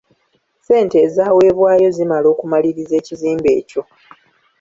Ssente ezaweebwayo zimala okumaliriza ekizimbe ekyo.